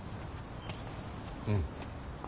うん。